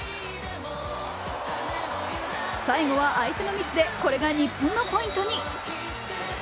最後は相手のミスでこれが日本のポイントに。